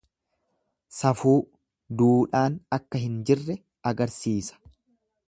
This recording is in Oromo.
Safuu, duudhaan akka hin jirre agarsiisa.